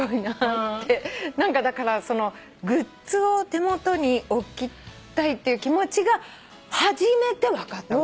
だからグッズを手元に置きたいっていう気持ちが初めて分かったの。